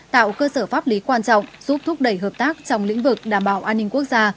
tạo cơ sở pháp lý quan trọng giúp thúc đẩy hợp tác trong lĩnh vực đảm bảo an ninh quốc gia